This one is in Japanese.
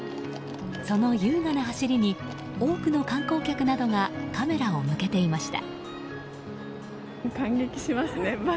その優雅な走りに多くの観光客などがカメラを向けていました。